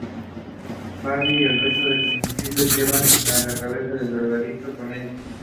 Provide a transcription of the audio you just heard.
Barry y el resto de comestibles, se llevan la cabeza del drogadicto con ellos.